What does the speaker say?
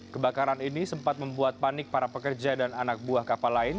kebakaran ini sempat membuat panik para pekerja dan anak buah kapal lain